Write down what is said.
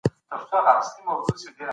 کله راځه تروتازه دی سنم